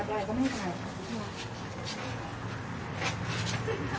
ติดอีกติดอีกติดอีก